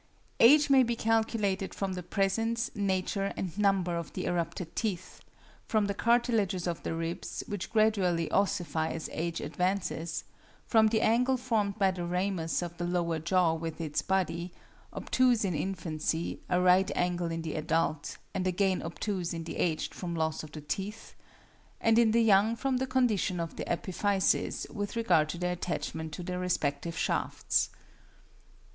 Age may be calculated from the presence, nature and number of the erupted teeth; from the cartilages of the ribs, which gradually ossify as age advances; from the angle formed by the ramus of the lower jaw with its body (obtuse in infancy, a right angle in the adult, and again obtuse in the aged from loss of the teeth); and in the young from the condition of the epiphyses with regard to their attachment to their respective shafts.